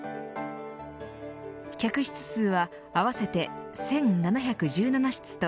客室数は合わせて１７１７室と